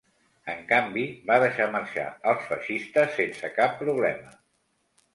En canvi, va deixar marxar els feixistes sense cap problema.